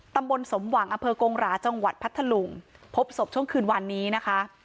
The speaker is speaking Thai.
ตำบลสมหวังอำเภอกงหราจังหวัดพัทธลุงพบศพช่วงคืนวันนี้นะคะ